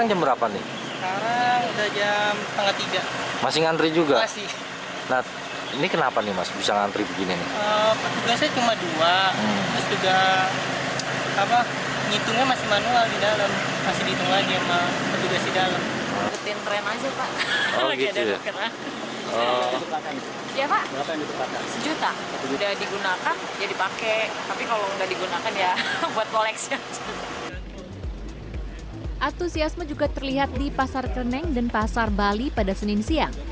atusiasme juga terlihat di pasar kereneng dan pasar bali pada senin siang